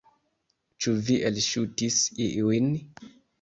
Ĉu vi elŝutis iujn?